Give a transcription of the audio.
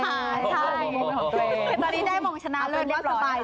ตอนนี้ได้มงค์ชนะเรียบร้อย